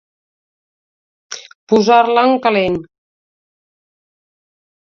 Posar-la en calent.